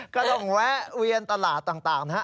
แวะเวียนตลาดต่างนะฮะ